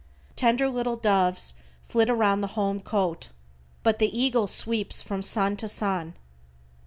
Tender little doves flit around the home cote, but the eagle sweeps from sun to sun.